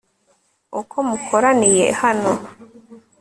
uko mukoraniye hano